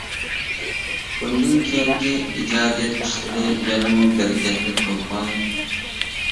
بۇندىن كېيىنكى ئىجادىيەت ئىشلىرى يەنىمۇ بەرىكەتلىك بولغاي.